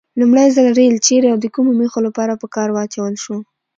لومړي ځل ریل چیري او د کومې موخې لپاره په کار واچول شو؟